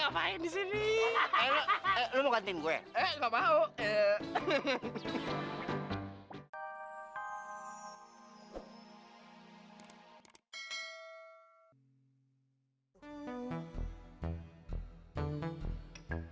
kayak gue seorang ngebunuh lu ngerti gak